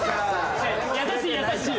優しい優しい